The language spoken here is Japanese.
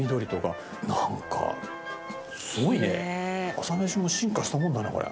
朝飯も進化したもんだなこれ。